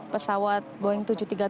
pesawat boeing tujuh ratus tiga puluh tujuh